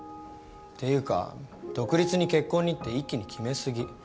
ていうか独立に結婚にって一気に決めすぎ。